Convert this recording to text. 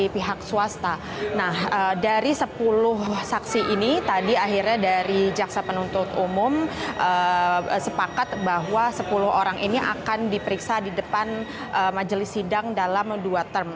bahwa sepuluh orang ini akan diperiksa di depan majelis sidang dalam dua term